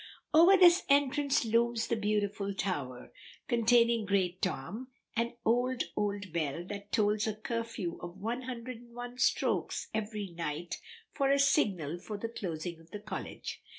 Over this entrance looms the beautiful tower containing Great Tom, an old, old bell that tolls a curfew of one hundred and one strokes every night as a signal for the closing of the college.